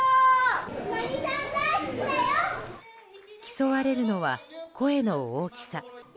競われるのは声の大きさ。